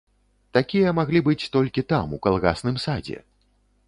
Такія маглі быць толькі там, у калгасным садзе!